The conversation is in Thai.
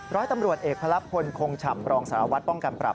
ร้อยตำรวจเอกพระลักพลคงฉ่ำรองสารวัตรป้องกันปรับ